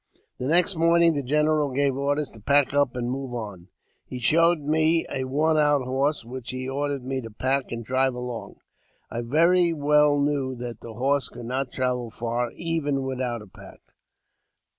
The next morning the general gave orders to pack up and move on. He showed me;a worn out horse, which he ordered me to pack and drive along. I very well knew that the horse could not travel far, even without a pack.